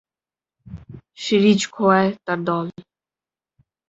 Series খোঁয়ায় তার দল।